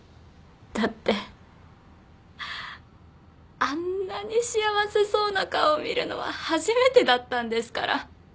だってあんなに幸せそうな顔見るのは初めてだったんですから。